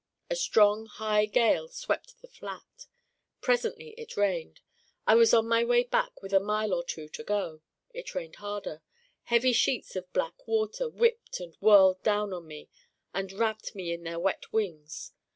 A strong high gale swept the Flat. Presently it rained. I was on my way back with a mile or two to go. It rained harder. Heavy sheets of black water whipped and whirled down on me and wrapped me in their wet wings.